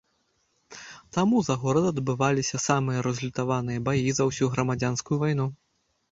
Таму, за горад адбываліся самыя разлютаваныя баі за ўсю грамадзянскую вайну.